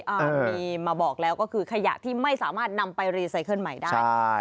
อ่ามีมาบอกแล้วก็คือขยะที่ไม่สามารถนำไปรีไซเคิลใหม่ได้ใช่